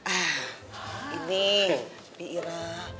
ah ini bi irah